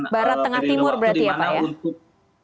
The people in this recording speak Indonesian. barat tengah timur berarti ya pak ya